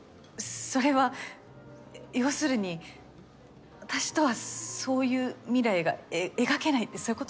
それは要するに私とはそういう未来がえ描けないってそういうこと？